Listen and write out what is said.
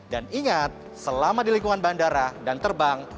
dan ingat selama di lingkungan bandara dan terbang